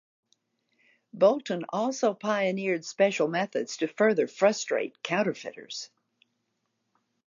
Boulton also pioneered special methods to further frustrate counterfeiters.